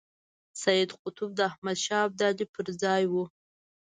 سید قطب د احمد شاه ابدالي پر ځای وو.